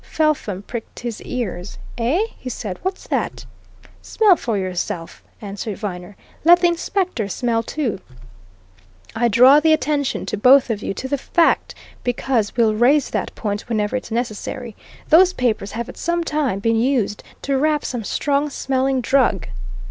Felpham pricked his ears. "Eh?" he said. "What's that?" "Smell for yourself," answered Viner. "Let the inspector smell too. I draw the attention to both of you to the fact, because we'll raise that point whenever it's necessary. Those papers have at some time been used to wrap some strong smelling drug."